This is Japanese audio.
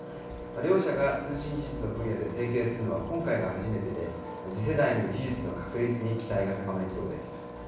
両社が通信技術の分野で提携するのは今回が初めてで、次世代の技術の確立に期待が高まりそうです。